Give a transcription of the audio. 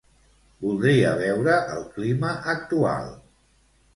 Voldria veure el clima actual.